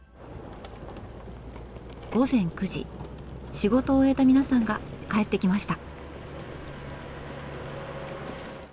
仕事を終えた皆さんが帰ってきました。